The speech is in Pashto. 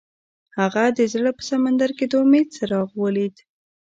هغه د زړه په سمندر کې د امید څراغ ولید.